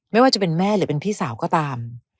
ไม่ว่าจะเป็นแม่หรือเป็นพี่สาวก็ตาม